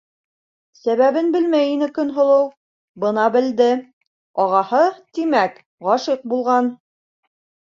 Сәбәбен белмәй ине Көнһылыу, бына белде: ағаһы, тимәк, ғашиҡ булған.